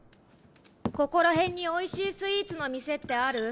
ここら辺においしいスイーツの店ってある？